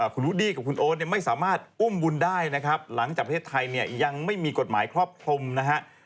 คุณวูดดี้กับคุณโอ๊ตเนี่ยไม่สามารถอุ้มบุญได้นะครับหลังจากประเทศไทยเนี่ยยังไม่มีกฎหมายครอบคลุมนะฮะ